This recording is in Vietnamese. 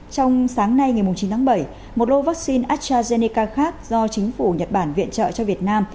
trong sáng nay ngày chín tháng bảy một lô vaccine astrazeneca khác do chính phủ nhật bản viện trợ cho việt nam